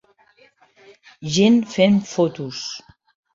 Gent fent fotos